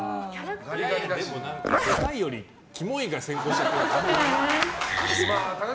でも何かでかいよりキモいが先行しちゃってる。